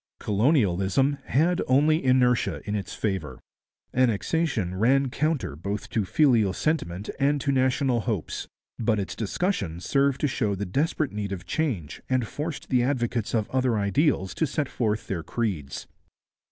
Colonialism had only inertia in its favour. Annexation ran counter both to filial sentiment and to national hopes, but its discussion served to show the desperate need of change and forced the advocates of other ideals to set forth their creeds.